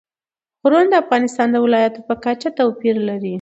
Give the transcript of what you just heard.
غرونه د افغانستان د ولایاتو په کچه توپیر لري.